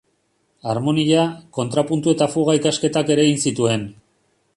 Harmonia, Kontrapuntu eta Fuga ikasketak ere egin zituen.